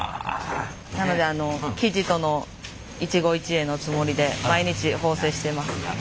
なので生地との一期一会のつもりで毎日縫製しています。